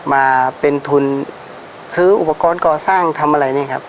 มาเป็นทุนซื้ออุปกรณ์ก่อสร้างทำอะไรนี่ครับ